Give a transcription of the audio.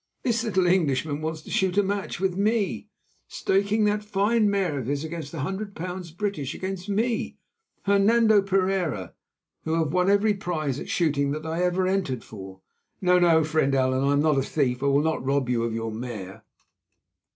"This little Englishman wants to shoot a match with me, staking that fine mare of his against a hundred pounds British; against me, Hernando Pereira, who have won every prize at shooting that ever I entered for. No, no, friend Allan, I am not a thief, I will not rob you of your mare."